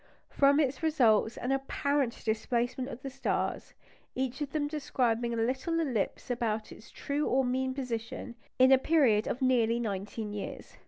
From it results an apparent displacement of the stars, each of them describing a little ellipse about its true or "mean" position, in a period of nearly nineteen years.